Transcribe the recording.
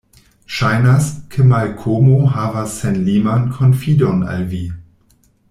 Ŝajnas, ke Malkomo havas senliman konfidon al vi.